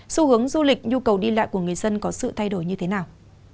xu hướng du lịch nhu cầu đi lại của người dân có sự thay đổi như thế nào